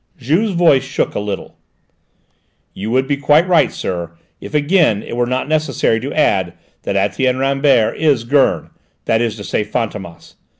Juve's voice shook a little. "You would be quite right, sir, if again it were not necessary to add that Etienne Rambert is Gurn that is to say, Fantômas!